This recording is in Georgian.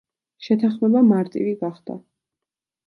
შეთანხმება მარტივი გახდა.